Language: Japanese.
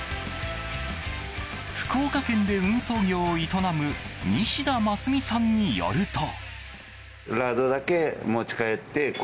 福岡県で運送業を営む西田眞壽美さんによると。